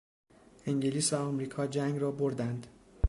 انگلیس و امریکا جنگ را بردند.